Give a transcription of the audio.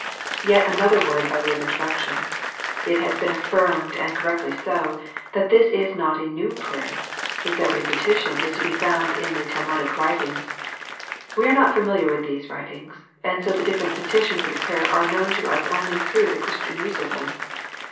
Yet another word by way of introduction. It has been affirmed and correctly so, that this is not a new prayer. Its every petition is to be found in the Talmudio writings. We are not familiar with these writings, and so the different petitions of the prayer are known to us only through the Christian use of them.